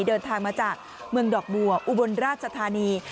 เดินทางมาจากเมืองดอกบัวอุบลราชธานี